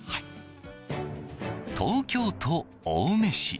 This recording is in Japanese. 東京都青梅市。